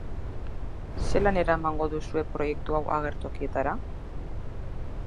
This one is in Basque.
Zelan eramango duzue proiektu hau agertokietara?